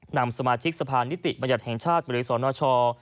หนำสมาธิกษ์สภานิติบัญญัติแห่งชาติบริษรเนราชอ